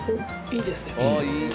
いいですね。